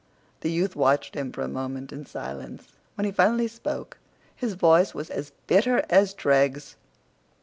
The youth watched him for a moment in silence. When he finally spoke his voice was as bitter as dregs.